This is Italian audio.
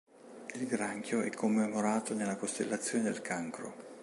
Il granchio è commemorato nella costellazione del Cancro.